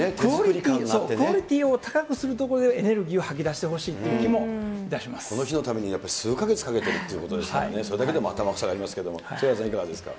クオリティーを高くすることでエネルギーを吐き出してほしいといこの日のためにやっぱり数か月かけてるということですからね、それだけでも頭が下がりますけれども、菅原さんいかがですか。